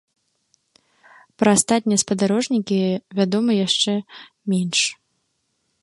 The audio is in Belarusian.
Пра астатнія спадарожнікі вядома яшчэ менш.